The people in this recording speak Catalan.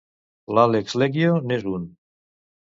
L'Álex Lecquio n'és un.